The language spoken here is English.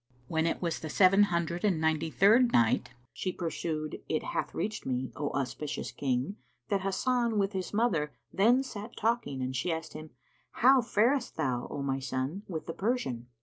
When it was the Seven Hundred and Ninety third Night, She pursued, It hath reached me, O auspicious King, that Hasan with his mother then sat talking and she asked him, "How faredst thou, O my son, with the Persian?"